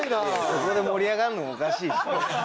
ここで盛り上がるのもおかしいし。